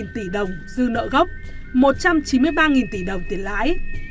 bốn trăm tám mươi ba tỷ đồng dư nợ gốc một trăm chín mươi ba tỷ đồng tiền lãi